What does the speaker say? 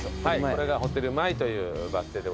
これがホテル前というバス停でございます。